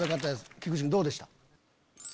菊池くんどうでした？